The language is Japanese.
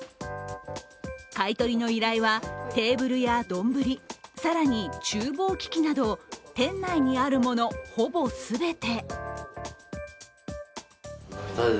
買い取りの依頼は、テーブルや丼、皿にちゅう房機器など店内にあるものほぼ全て。